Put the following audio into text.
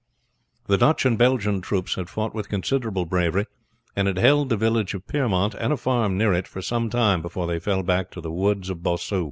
The Dutch and Belgian troops had fought with considerable bravery, and had held the village of Piermont and a farm near it for some time before they fell back to the wood of Bossu.